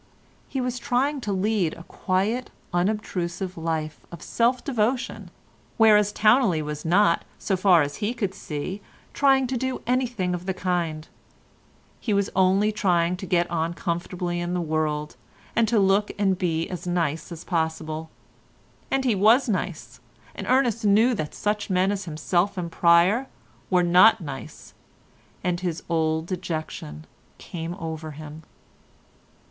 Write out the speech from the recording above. He was trying to lead a quiet, unobtrusive life of self devotion, whereas Towneley was not, so far as he could see, trying to do anything of the kind; he was only trying to get on comfortably in the world, and to look and be as nice as possible. And he was nice, and Ernest knew that such men as himself and Pryer were not nice, and his old dejection came over him.